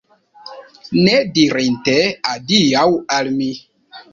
Ne dirinte adiaŭ al mi!